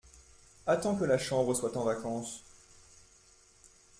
Attends que la Chambre soit en vacances !